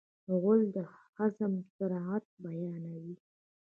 غول د هضم سرعت بیانوي.